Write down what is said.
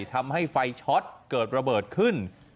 ทำให้ไฟช็อตเกิดระเบิดขึ้น